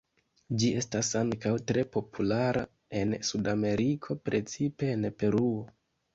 Ĝi estas ankaŭ tre populara en Sudameriko, precipe en Peruo.